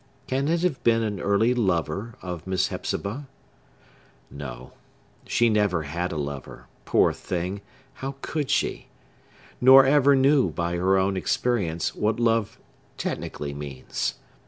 Can it have been an early lover of Miss Hepzibah? No; she never had a lover—poor thing, how could she?—nor ever knew, by her own experience, what love technically means.